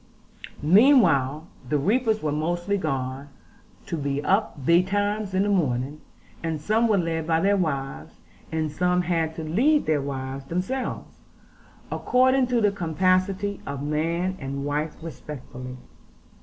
Meanwhile the reapers were mostly gone, to be up betimes in the morning; and some were led by their wives; and some had to lead their wives themselves, according to the capacity of man and wife respectively.